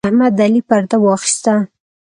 احمد د علي پرده واخيسته.